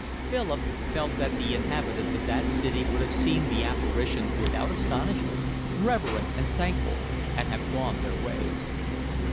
Philip felt that the inhabitants of that city would have seen the apparition without astonishment, reverent and thankful, and have gone their ways.